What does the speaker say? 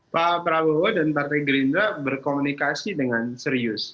pak prabowo dan partai gerindra berkomunikasi dengan serius